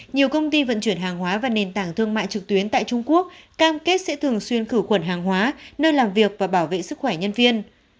nhiều công ty vận chuyển hàng hóa và nền tảng thương mại trực tuyến tại trung quốc cam kết sẽ thường xuyên khử quần hàng hóa nơi làm việc và bảo vệ sức khỏe nhân viên